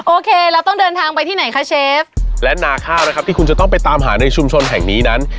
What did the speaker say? โอเคเราต้องเดินทางไปที่ไหนคะเชฟและนาข้าวนะครับที่คุณจะต้องไปตามหาในชุมชนแห่งนี้นั้น